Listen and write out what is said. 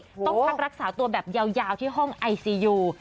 ต้องพักรักษาตัวแบบยาวที่ห้องไอซียู